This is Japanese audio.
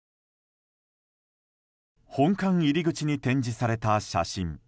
本館入り口に展示された写真。